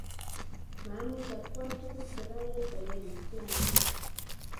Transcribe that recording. mamuchi apwat tukchekayayte lelutyet neuni